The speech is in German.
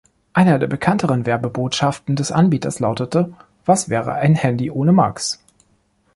Einer der bekannteren Werbebotschaften des Anbieters lautete: "Was wäre ein Handy ohne max?